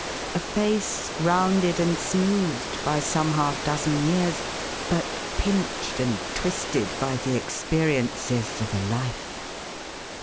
A face rounded and smoothed by some half dozen years, but pinched and' twisted by the ex periences of a life.